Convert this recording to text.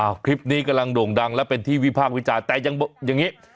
อ้าวคลิปนี้กำลังโด่งดังแล้วเป็นทีวีภาควิจารณ์แต่ยังอย่างงี้